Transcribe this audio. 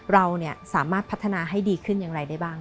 เราสามารถพัฒนาให้ดีขึ้นอย่างไรได้บ้าง